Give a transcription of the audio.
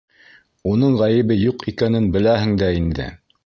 Уның ғәйебе юҡ икәнен беләһең дә инде.